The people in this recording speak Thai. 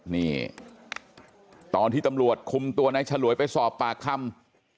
นี่ตอนที่ตำรวจคุมตัวนายฉลวยไปสอบปากคำ